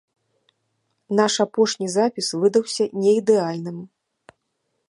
Наш апошні запіс выдаўся не ідэальным.